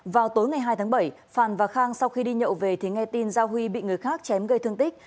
vào tối ngày hai tháng bảy phàn và khang sau khi đi nhậu về thì nghe tin giao huy bị người khác chém gây thương tích